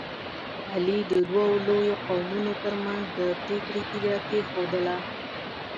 علي د دوو لویو قومونو ترمنځ د پرېکړې تیږه کېښودله.